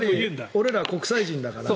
俺ら国際人だから。